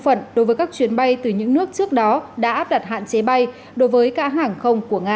phần đối với các chuyến bay từ những nước trước đó đã áp đặt hạn chế bay đối với cả hàng không của nga